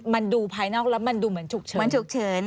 มันดูภายนอกแล้วมันดูเหมือนฉุกเฉิน